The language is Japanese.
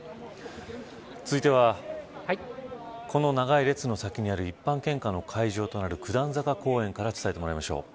続いてはこの長い列の先にある一般献花の会場となる九段坂公園から伝えてもらいます。